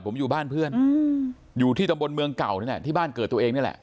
ผมอยู่บ้านเพื่อนอยู่ที่ตำบลเมืองเก่านี่แหละที่บ้านเกิดตัวเองนี่แหละ